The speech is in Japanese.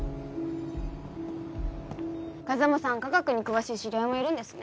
風真さん科学に詳しい知り合いもいるんですね。